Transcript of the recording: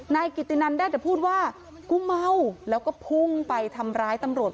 นายกิตินันได้แต่พูดว่ากูเมาแล้วก็พุ่งไปทำร้ายตำรวจ